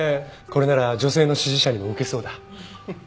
これなら女性の支持者にも受けそうだ。